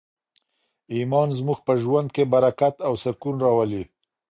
ایمان زموږ په ژوند کي برکت او سکون راولي.